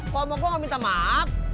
kok mau gue gak minta maaf